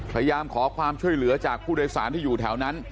พยายามขอความช่วยเหลือจากผู้โดยสารที่อยู่แถวนั้น